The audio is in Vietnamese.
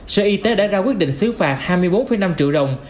sở y tế đã ra quyết định xứ phạt hai mươi bốn năm triệu đồng